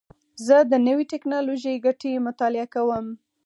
زه د نوې ټکنالوژۍ ګټې مطالعه کوم.